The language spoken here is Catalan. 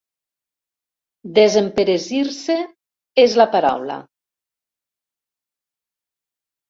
Desemperesir-se és la paraula.